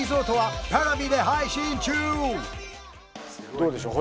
どうでしょう？